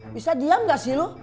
bisa diam gak sih lo